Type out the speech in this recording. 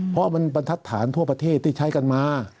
เพราะมันบรรทัศนทั่วประเทศที่ใช้กันมา